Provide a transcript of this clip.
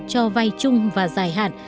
cho vay chung và dài hạn